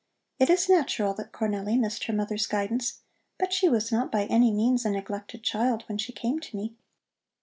It is natural that Cornelli missed her mother's guidance, but she was not by any means a neglected child when she came to me.